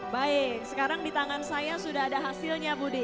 baik sekarang di tangan saya sudah ada hasilnya budi